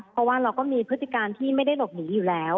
เพราะว่าเราก็มีพฤติการที่ไม่ได้หลบหนีอยู่แล้ว